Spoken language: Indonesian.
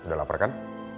udah lapar kan